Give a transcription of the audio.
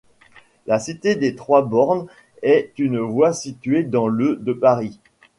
La cité des Trois-Bornes est une voie située dans le de Paris.